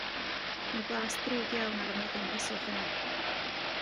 Mae blas drwg iawn ar y moddion peswch yna.